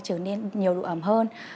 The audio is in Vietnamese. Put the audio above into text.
trở nên nhiều độ ẩm hơn